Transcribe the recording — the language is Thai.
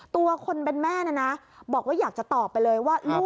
ตัวคนเป็นแม่นะนะบอกว่าอยากจะตอบไปเลยว่าลูก